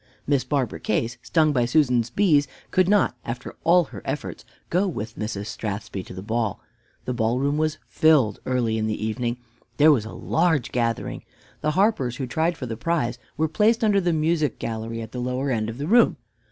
Miss Barbara Case, stung by Susan's bees, could not, after all her efforts, go with Mrs. Strathspey to the ball. The ballroom was filled early in the evening. There was a large gathering. The harpers who tried for the prize were placed under the music gallery at the lower end of the room.